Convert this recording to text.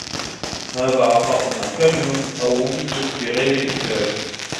هذا عطاؤنا فامنن أو أمسك بغير حساب